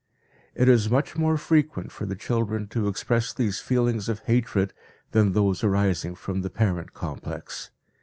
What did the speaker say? It is much more frequent for the children to express these feelings of hatred than those arising from the parent complex.